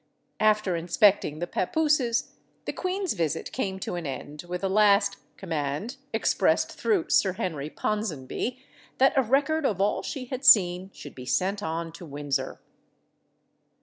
After inspecting the papooses the queen's visit came to an end, with a last "command," expressed through Sir Henry Ponsonby, that a record of all she had seen should be sent on to Windsor.